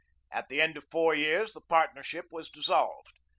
At the end of four years the partnership was dissolved.